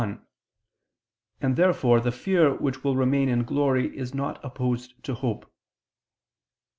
1), and therefore the fear which will remain in glory is not opposed to hope.